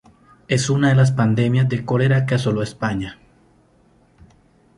En una de las pandemias de cólera que asoló España.